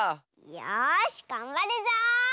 よしがんばるぞ！